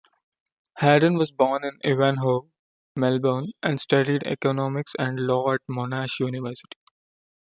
Hadden was born in Ivanhoe, Melbourne, and studied economics and law at Monash University.